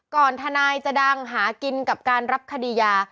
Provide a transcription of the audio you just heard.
ทนายจะดังหากินกับการรับคดียา